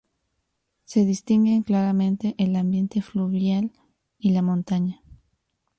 Se distinguen claramente el ambiente fluvial y la montaña.